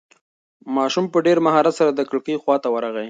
ماشوم په ډېر مهارت سره د کړکۍ خواته ورغی.